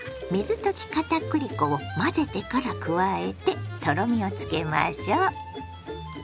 水溶きかたくり粉を混ぜてから加えてとろみをつけましょ。